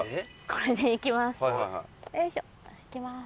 これでいきます。